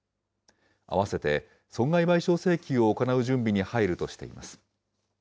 併せて損害賠償請求を行う準備に入るとしています。